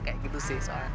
kayak gitu sih soalnya